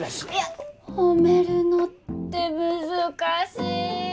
褒めるのって難しい。